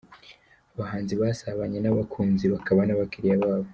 Abahanzi basabanye n’abakunzi bakaba n’abakiriya babo